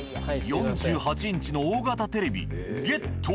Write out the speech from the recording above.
４８インチの大型テレビゲット。